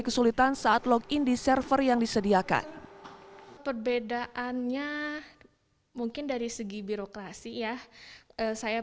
kesulitan saat login di server yang disediakan perbedaannya mungkin dari segi birokrasi ya saya